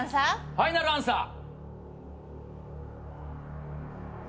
ファイナルアンサー。